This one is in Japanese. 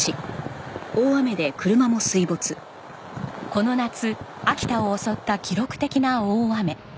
この夏秋田を襲った記録的な大雨。